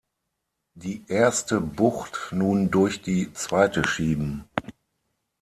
Die erste Bucht nun durch die zweite schieben.